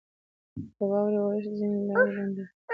• د واورې اورښت ځینې لارې بندوي.